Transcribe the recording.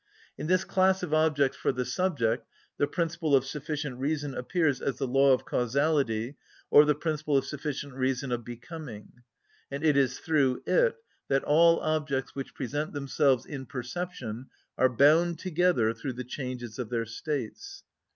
In this class of objects for the subject the principle of sufficient reason appears as the law of causality or the principle of sufficient reason of becoming, and it is through it that all objects which present themselves in perception are bound together through the changes of their states.